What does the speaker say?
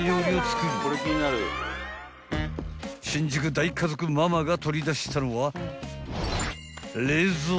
［新宿大家族ママが取り出したのは］